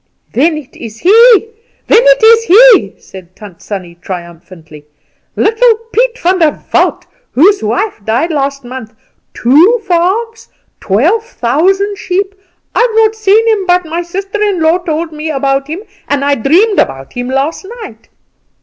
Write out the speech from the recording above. "Then it's he! then it's he!" said Tant Sannie triumphantly; "little Piet Vander Walt, whose wife died last month two farms, twelve thousand sheep. I've not seen him, but my sister in law told me about him, and I dreamed about him last night."